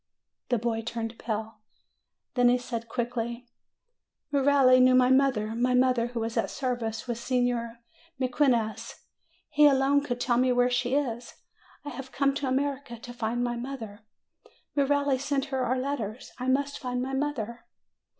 The boy turned pale. Then he said quickly, "Merelli knew my mother; my mother who was at service with Signer Mequinez. He alone could tell me where she is. I have come to America to find my mother. Merelli sent her our letters. I must find my mother."